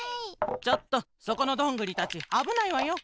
ちょっとそこのどんぐりたちあぶないわよ。